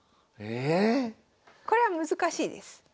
これは難しいです。